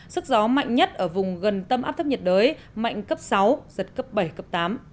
sức gió mạnh nhất ở vùng gần tâm áp thấp nhiệt đới mạnh cấp sáu giật cấp bảy cấp tám